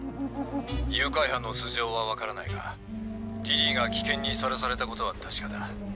誘拐犯の素性は分からないがリリーが危険にさらされたことは確かだ。